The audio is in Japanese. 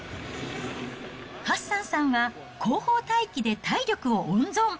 ハッサンさんは後方待機で体力を温存。